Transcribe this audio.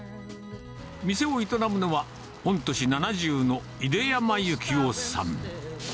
店を営むのは、御年７０の出山行男さん。